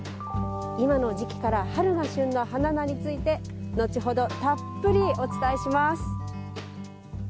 今の時期から春が旬の花菜について後ほどたっぷりお伝えします。